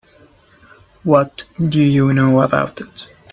What do you know about it?